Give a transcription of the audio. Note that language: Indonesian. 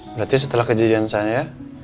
berarti setelah kejadian saya